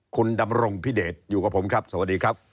คุณดำรงพิเดชอยู่กับผมครับสวัสดีครับ